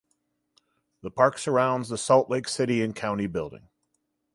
The park surrounds the Salt Lake City and County Building.